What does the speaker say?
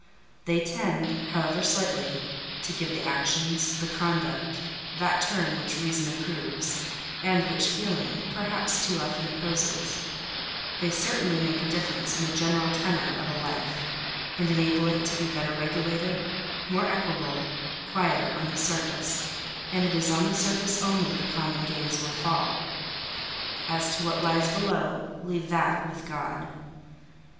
They tend, however slightly, to give the actions, the conduct, that turn which Reason approves, and which Feeling, perhaps, too often opposes: they certainly make a difference in the general tenour of a life, and enable it to be better regulated, more equable, quieter on the surface; and it is on the surface only the common gaze will fall. As to what lies below, leave that with God.